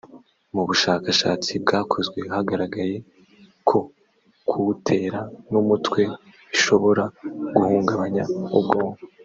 mu bushakashatsi bwakozwe hagaragaye ko kuwutera n’umutwe bishobora guhungabanya ubwonko